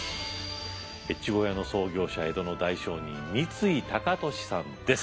越後屋の創業者江戸の大商人三井高利さんです。